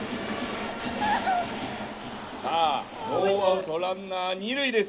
「さあノーアウトランナー二塁です。